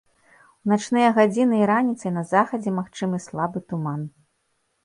У начныя гадзіны і раніцай на захадзе магчымы слабы туман.